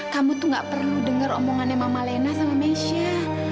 kamu tuh gak perlu dengar omongannya mama lena sama mesha